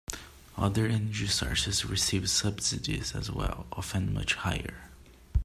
Other energy sources receive subsidies as well, often much higher.